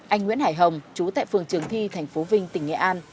anh nguyễn hải hồng chú tại phường trường thi thành phố vinh tỉnh nghệ an